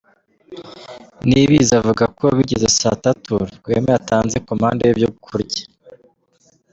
Niyibizi avuga ko bigeze saa tatu Rwema yatanze komande y’ ibyo kurya.